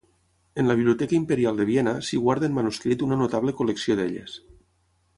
En la biblioteca imperial de Viena si guarda en manuscrit una notable col·lecció d'elles.